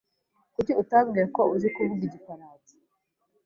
Kuki utambwiye ko uzi kuvuga igifaransa?